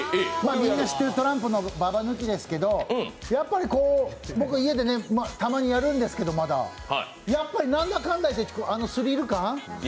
みんな知ってるトランプのババ抜きですけど、やっぱり家でたまにまだやるんですけどやっぱり、なんだかんだいってあのスリル感。